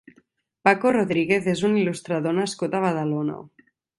Paco Rodriguez és un il·lustrador nascut a Badalona.